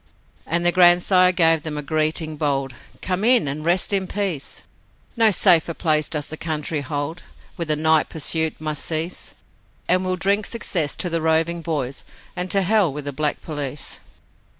And their grandsire gave them a greeting bold: 'Come in and rest in peace, No safer place does the country hold With the night pursuit must cease, And we'll drink success to the roving boys, And to hell with the black police.'